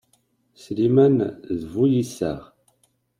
Sliman, d bu iseɣ.